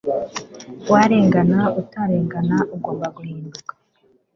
Warengana utarengana ugomba guhinduka